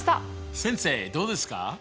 先生どうですか？